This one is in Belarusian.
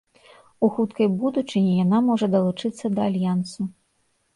У хуткай будучыні яна можа далучыцца да альянсу.